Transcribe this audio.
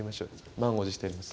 満を持してやります